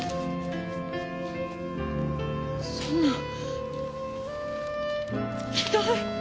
そんなひどい！